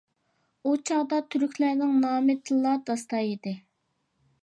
ئۇ چاغدا تۈركلەرنىڭ نامى تىللاردا داستان ئىدى.